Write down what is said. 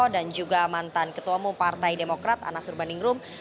dan juga mantan ketua mumpartai demokrat anas urbaningrum